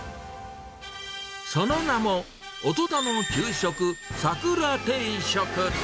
その名も大人の給食、さくら定食。